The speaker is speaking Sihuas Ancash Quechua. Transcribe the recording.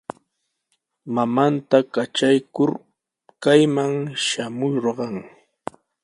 Mamanta katraykur kayman shamurqan.